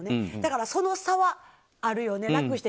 だから、その差はあるよね。